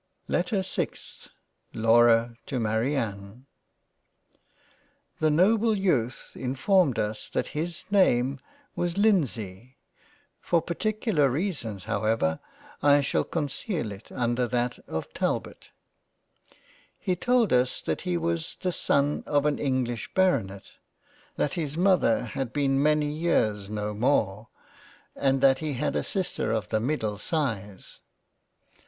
LETTER 6th LAURA to MARIANNE T HE noble Youth informed us that his name was Lindsay — for particular reasons however I shall con ceal it under that of Talbot. He told us that he was 9 lie •£ JANE AUSTEN the son of an English Baronet, that his Mother had been many years no more and that he had a Sister of the middle size.